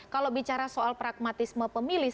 kalau bicara soal pragmatisme pemilih